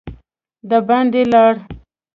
د باندي لاړ.